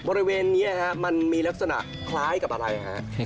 บริเวณนี้มันมีลักษณะคล้ายกับอะไรฮะ